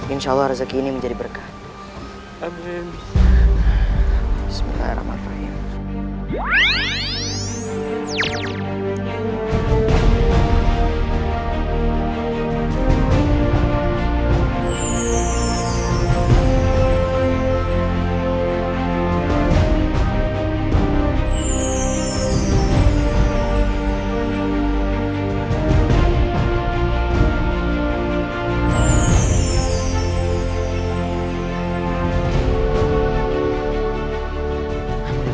insyaallah rezeki ini menjadi berkah amin bismillahirrahmanirrahim